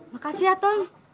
makasih ya tong